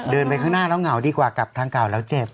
ไปข้างหน้าแล้วเหงาดีกว่ากลับทางเก่าแล้วเจ็บ